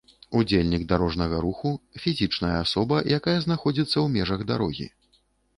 Удзельнік дарожнага руху — фізічная асоба, якая знаходзiцца ў межах дарогі